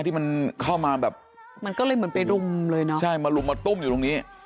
ที่มันเข้ามาแบบมันก็เลยเหมือนไปรุมเลยเนอะใช่มาลุมมาตุ้มอยู่ตรงนี้